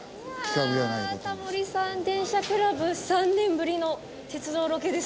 タモリさん電車クラブ３年ぶりの鉄道ロケですよ。